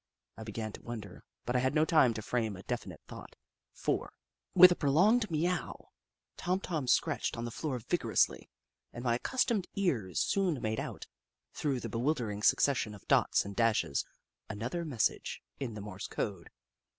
I began to wonder, but I had no time to frame a de finite thought, for, with a prolonged meow, Tom Tom scratched on the floor vigorously, and my accustomed ears soon made out, through the bewildering succession of dots and dashes, another message in the Morse code.